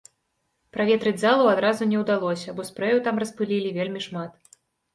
Праветрыць залу адразу не ўдалося, бо спрэю там распылілі вельмі шмат.